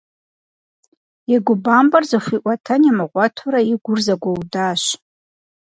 И губампӏэр зыхуиӏуэтэн имыгъуэтурэ и гур зэгуэудащ.